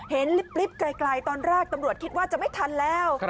ลิฟต์ไกลตอนแรกตำรวจคิดว่าจะไม่ทันแล้ว